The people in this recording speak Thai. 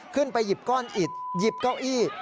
ขึ้นไปหยิบก้อนอิดหยิบเก้าอี้